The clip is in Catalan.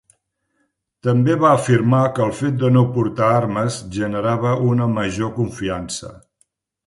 També va afirmar que el fet de no portar armes generava una major confiança.